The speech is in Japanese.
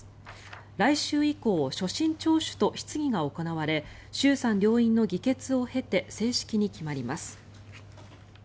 来週以降所信聴取と質疑が行われ衆参両院の議決を経て正式に決まります。